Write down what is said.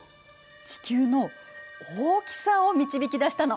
地球の大きさを導き出したの。